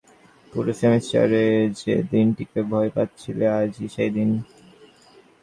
পুরো সেমিস্টারে যে দিনটিকে ভয় পাচ্ছিলে আজ-ই সেই দিন।